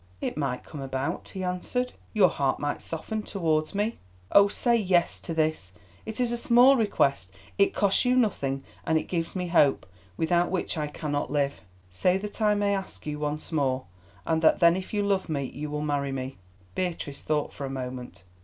"It might come about," he answered; "your heart might soften towards me. Oh, say yes to this. It is a small request, it costs you nothing, and it gives me hope, without which I cannot live. Say that I may ask you once more, and that then if you love me you will marry me." Beatrice thought for a moment.